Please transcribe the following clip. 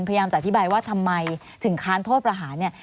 พยายามจะอธิบายว่าทำไมถึงค้านโทษประหารเนี่ย